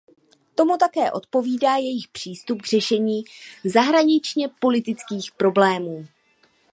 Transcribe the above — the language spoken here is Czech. Tomu také odpovídá jejich přístup k řešení zahraničněpolitických problémů.